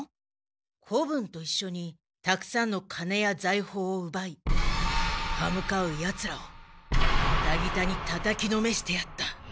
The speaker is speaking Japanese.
「子分といっしょにたくさんの金や財宝をうばい刃向かうヤツらをギタギタにたたきのめしてやった。